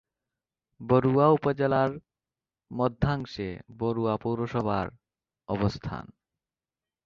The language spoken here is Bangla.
বরুড়া উপজেলার মধ্যাংশে বরুড়া পৌরসভার অবস্থান।